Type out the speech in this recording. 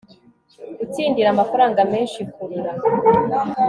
gutsindira amafaranga menshi Kurura